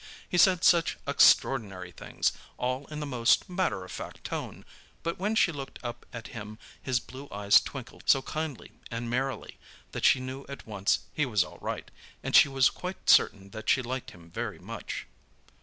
He said such extraordinary things, all in the most matter of fact tone—but when she looked up at him his blue eyes twinkled so kindly and merrily that she knew at once he was all right, and she was quite certain that she liked him very much.